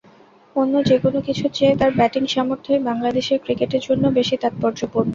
অন্য যেকোনো কিছুর চেয়ে তাঁর ব্যাটিং-সামর্থ্যই বাংলাদেশের ক্রিকেটের জন্য বেশি তাৎপর্যপূর্ণ।